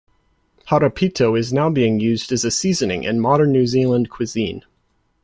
Horopito is now being used as a seasoning in modern New Zealand cuisine.